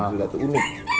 ini sudah unik